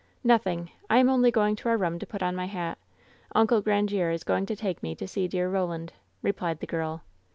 "Nothing. I am only going to our room to put on my hat Uncle Grandiere is going to take me to see dear Roland," replied the girl.